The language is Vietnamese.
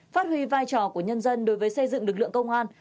phát huy vai trò của nhân dân đối với xây dựng lực lượng công an